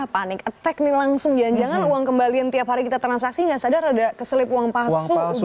panik attack nih langsung jangan jangan uang kembalian tiap hari kita transaksi nggak sadar ada keselip uang palsu